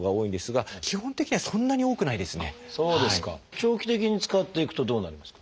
長期的に使っていくとどうなりますか？